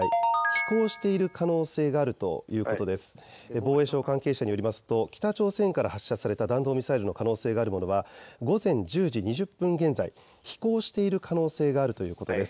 防衛省関係者によりますと北朝鮮から発射された弾道ミサイルの可能性があるものは午前１０時２０分現在、飛行している可能性があるということです。